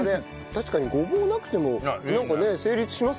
確かにごぼうなくてもなんかね成立しますね。